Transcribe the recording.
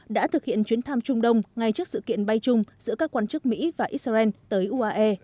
đã thực hiện chuyến thăm trung đông ngay trước sự kiện bay chung giữa các quan chức mỹ và israel tới uae